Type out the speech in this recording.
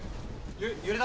揺れた？